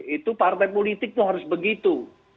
itu partai politik itu harus begitu